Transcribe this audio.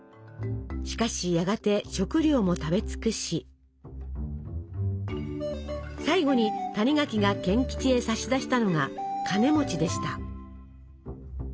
しかしやがて食料も食べ尽くし最後に谷垣が賢吉へ差し出したのがカネでした。